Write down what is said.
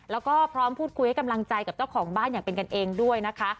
แล้วก็พร้อมพูดคุยให้กำลังใจกับเจ้าของบ้านอย่างเป็นกันเองด้วยนะคะ